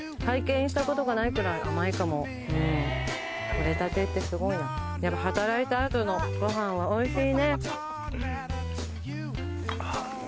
採れたてってすごいな働いた後のご飯はおいしいね。